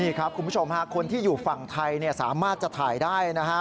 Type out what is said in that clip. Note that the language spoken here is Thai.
นี่ครับคุณผู้ชมฮะคนที่อยู่ฝั่งไทยสามารถจะถ่ายได้นะฮะ